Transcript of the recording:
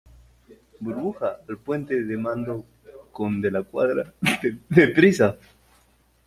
burbuja, al puente de mando con De la Cuadra , deprisa.